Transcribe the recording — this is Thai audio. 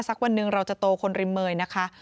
ษักวันนึงเราจะโตคนริเมื่อยนะคะ